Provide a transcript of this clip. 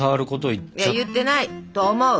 いや言ってないと思う。